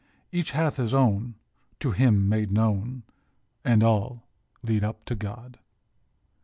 " Each hath his own, to him made known, And all lead up to God.